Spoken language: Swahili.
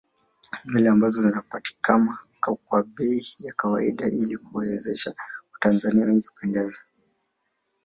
Nywele ambazo zinapatikama kwa bei ya kawaida ili kuwawezesha watanzania wengi kupendeza